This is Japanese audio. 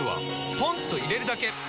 ポンと入れるだけ！